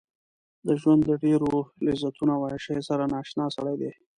د ژوند له ډېرو لذتونو او عياشيو سره نااشنا سړی دی.